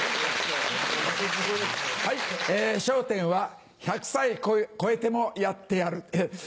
はいえ『笑点』は１００歳超えてもやってやる。